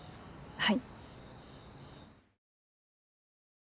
はい。